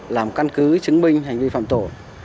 làm căn cứ chứng minh hành vi phạm tội